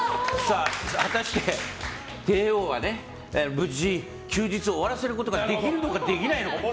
果たして帝王は無事休日を終わらせることができるのかできないのか。